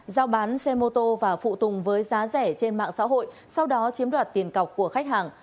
giao bán xe mô tô và phụ tùng với giá rẻ trên mạng xã hội sau đó chiếm đoạt tiền cọc của khách hàng